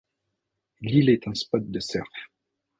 L'île est un spot de surf.